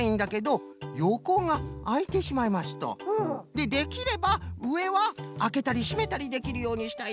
でできればうえはあけたりしめたりできるようにしたいです。